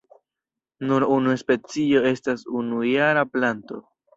Nur unu specio estas unujara planto.